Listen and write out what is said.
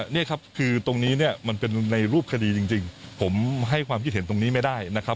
นี่ครับคือตรงนี้เนี่ยมันเป็นในรูปคดีจริงผมให้ความคิดเห็นตรงนี้ไม่ได้นะครับ